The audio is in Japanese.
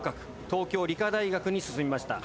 東京理科大学に進みました。